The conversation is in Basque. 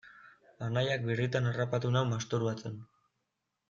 Anaiak birritan harrapatu nau masturbatzen.